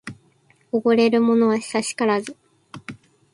おごれるものは久しからず